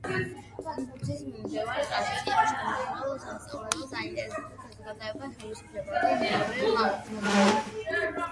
კონფუცის მიმდევარ, ტრადიციების შემნახველ სწავლულებს აინტერესებდათ საზოგადოება, ხელისუფლება და ზნეობრივი მოძღვრება.